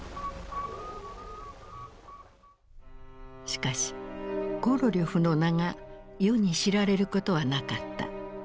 しかしコロリョフの名が世に知られることはなかった。